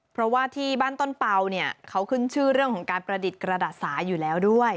เพราะว่าที่บ้านต้นเป่าเนี่ยเขาขึ้นชื่อเรื่องของการประดิษฐ์กระดาษสายอยู่แล้วด้วย